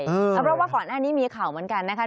เรียกว่าขอน่านนี้มีข่าวเหมือนกันนะครับ